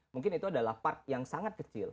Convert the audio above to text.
mungkin itu adalah part yang sangat kecil